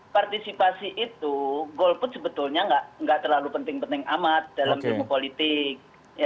partisipasi itu golput sebetulnya nggak terlalu penting penting amat dalam ilmu politik